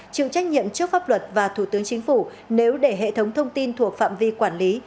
chịu trách nhiệm trước pháp luật và thủ tướng chính phủ nếu để hệ thống thông tin thuộc phạm vi quản lý